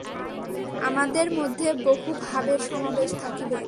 আমাদের মধ্যে বহু ভাবের সমাবেশ থাকিবে।